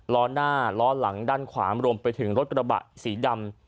ล้อหน้าล้อหลังด้านขวารวมไปถึงรถกระบะสีดำ